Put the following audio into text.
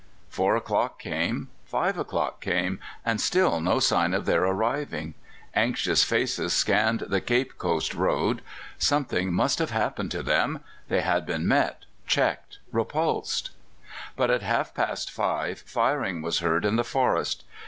Four o'clock came, five o'clock came, and still no sign of their arriving. Anxious faces scanned the Cape Coast road. Something must have happened to them; they had been met, checked, repulsed. But at half past five firing was heard in the forest.